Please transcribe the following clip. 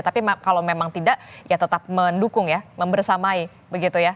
tapi kalau memang tidak ya tetap mendukung ya membersamai begitu ya